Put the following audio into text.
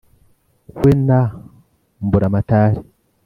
We na Mburamatare;